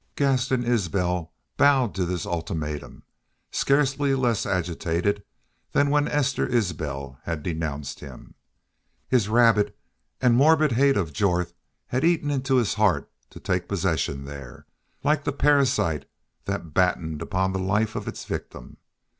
Gaston Isbel bowed to this ultimatum, scarcely less agitated than when Esther Isbel had denounced him. His rabid and morbid hate of Jorth had eaten into his heart to take possession there, like the parasite that battened upon the life of its victim.